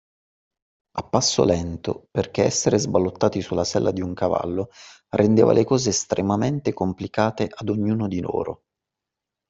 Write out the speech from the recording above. A passo lento perché essere sballottati sulla sella di un cavallo rendeva le cose estremamente complicate ad ognuno di loro.